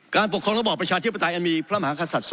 การปกครองระบอบประชาเทพศ์ประตาอันมี๑๒๐๐ไมมีพระมหาศาสตร์